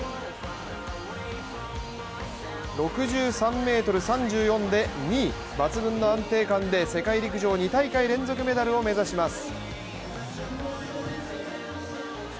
６３ｍ３４で２位、抜群の安定感で世界陸上２大会連続メダルを目指します。